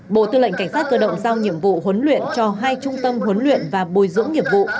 bộ tư lệnh cảnh sát cơ động giao nhiệm vụ huấn luyện cho hai trung tâm huấn luyện và bồi dưỡng nghiệp vụ